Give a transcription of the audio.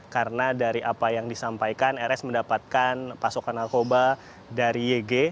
karena dari apa yang disampaikan rs mendapatkan pasokan narkoba dari yg